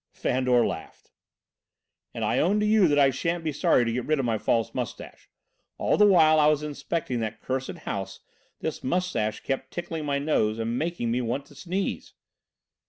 Fandor laughed. "And I own to you that I shan't be sorry to get rid of my false moustache. All the while I was inspecting that cursed house, this moustache kept tickling my nose and making me want to sneeze."